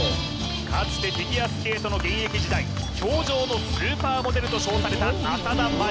かつてフィギュアスケートの現役時代氷上のスーパーモデルと称された浅田舞